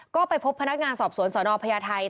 ก็ไปพบพนักงานสอบสวนสนพญาไทย